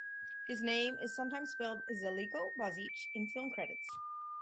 His name is sometimes spelled Zeliko Bozich in film credits.